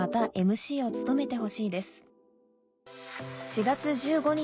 ４月１５日